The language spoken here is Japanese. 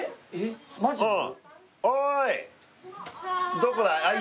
どこだい？